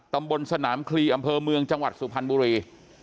ตำบลสนามคลีอำเภอเมืองจังหวัดสุพรรณบุรี